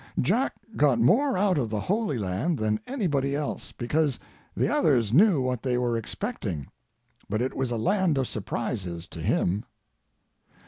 Jack got more out of the Holy Land than anybody else, because the others knew what they were expecting, but it was a land of surprises to him.